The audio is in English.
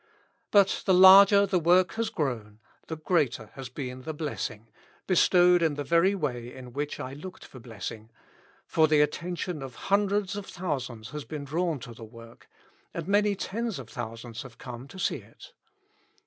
But the larger the work has grown, the greater has 272 Notes. been' the blessing, bestowed in the very way in which I looked for blessing : for the attention of hundreds of thousands has been drawn to the work ; and many tens of thousands have come to see it.